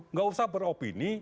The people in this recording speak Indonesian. nggak usah beropini